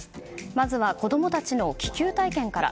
まずは子供たちの気球体験から。